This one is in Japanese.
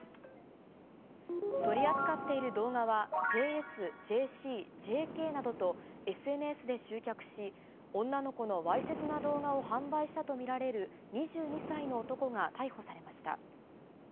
取り扱っている動画は、ＪＳ、ＪＣ、ＪＫなどと、ＳＮＳで集客し、女の子のわいせつな動画を販売したと見られる２２歳の男が逮捕されました。